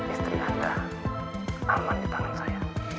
istri anda aman di tangan saya